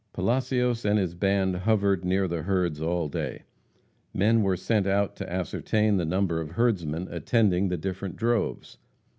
[Illustration: An Alarmed "Cow Boy."] Palacios and his band hovered near the herds all day. Men were sent out to ascertain the number of herdsmen attending the different droves.